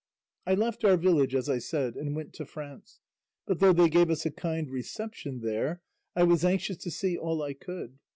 "I left our village, as I said, and went to France, but though they gave us a kind reception there I was anxious to see all I could.